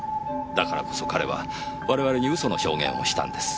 だからこそ彼は我々に嘘の証言をしたんです。